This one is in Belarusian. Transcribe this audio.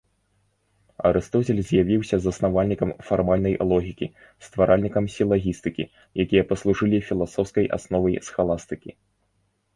Арыстоцель з'явіўся заснавальнікам фармальнай логікі, стваральнікам сілагістыкі, якія паслужылі філасофскай асновай схаластыкі.